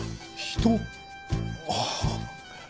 ああ。